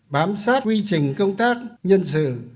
bám sát quy trình công tác nhân sự